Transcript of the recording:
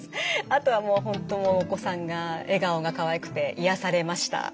あとはもう「本当お子さんが笑顔がかわいくていやされました」。